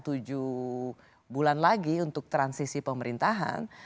tujuh bulan lagi untuk transisi pemerintahan